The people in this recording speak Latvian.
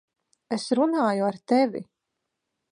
Es runāju ar tevi!